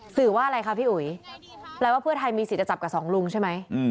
สื่อว่าอะไรคะพี่อุ๋ยแปลว่าเพื่อไทยมีสิทธิ์จับกับสองลุงใช่ไหม